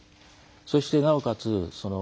そして、なおかつ